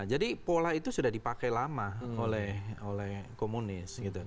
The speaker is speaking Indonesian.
jadi pola itu sudah dipakai lama oleh komunis